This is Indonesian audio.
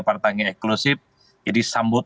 partangia eksklusif jadi sambut